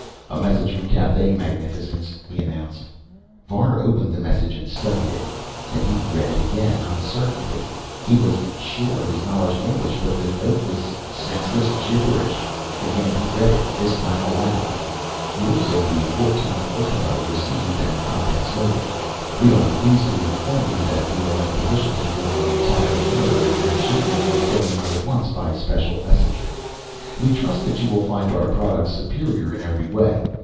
"A message from Cathay, magnificence," he announced. Var opened the message and studied it. Then he read it again, uncertainly. He was sure of his knowledge of English, but the note was senseless gibberish. Again he read it, this time aloud: "Yours of the fourteenth ultimo received and contents noted. We are pleased to inform you that we are in a position to fill your entire order and that shipment is going out at once by special messenger. We trust that you will find our products superior in every way.